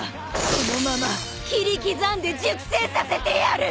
このまま切り刻んで熟成させてやる！